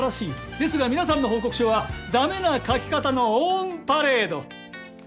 ですが皆さんの報告書は駄目な書き方のオンパレード。